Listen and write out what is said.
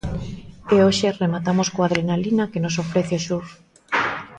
E hoxe rematamos coa adrenalina que nos ofrece o surf.